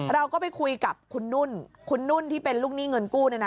เราก็ไปคุยกับคุณนุ่นคุณนุ่นที่เป็นลูกหนี้เงินกู้เนี่ยนะ